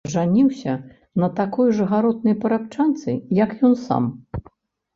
Жаніўся на такой жа гаротнай парабчанцы, як ён сам.